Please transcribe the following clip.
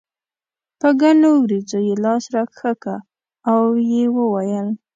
په ګڼو وريځو یې لاس راښکه او یې وویل.